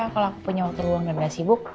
kalau aku punya waktu ruang dan gak sibuk